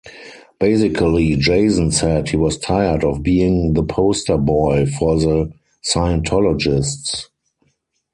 Basically, Jason said he was tired of being the poster boy for the Scientologists.